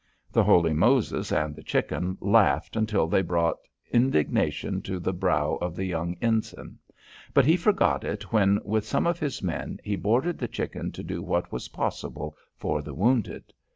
The Holy Moses and the Chicken laughed until they brought indignation to the brow of the young ensign. But he forgot it when with some of his men he boarded the Chicken to do what was possible for the wounded.